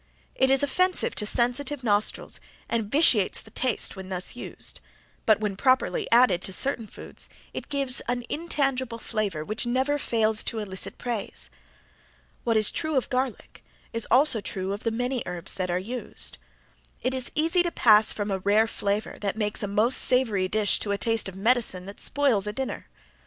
It is offensive to sensitive nostrils and vitiates the taste when thus used, but when properly added to certain foods it gives an intangible flavor which never fails to elicit praise. What is true of garlic is also true of the many herbs that are used. It is easy to pass from a rare flavor that makes a most savory dish to a taste of medicine that spoils a dinner.